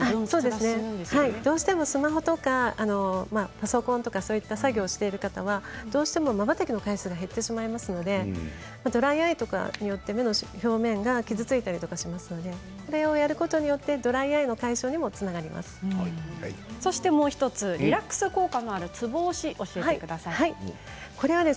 どうしてもスマホとかパソコンとか、そういった作業をしている方はまばたきの回数が減ってしまいますのでドライアイとかによって目の表面が傷ついたりしますのでこれをやることによってドライアイの解消にもそして、もう１つリラックス効果のあるつぼ押しを教えてください。